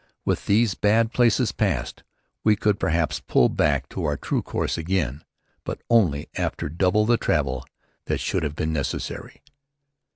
With these bad places passed we could perhaps pull back to our true course again, but only after double the travel that should have been necessary.